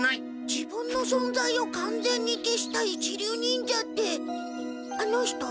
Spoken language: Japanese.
自分のそんざいをかんぜんに消した一流忍者ってあの人？